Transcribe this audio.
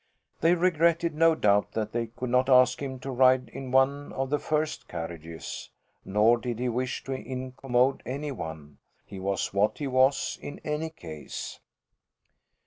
They regretted no doubt that they could not ask him to ride in one of the first carriages. Nor did he wish to incommode any one. He was what he was in any case.